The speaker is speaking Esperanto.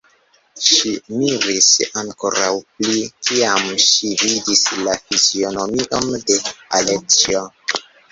Ŝi miris ankoraŭ pli, kiam ŝi vidis la fizionomion de Aleĉjo.